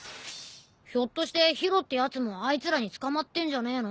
ひょっとして宙ってやつもあいつらに捕まってんじゃねえの？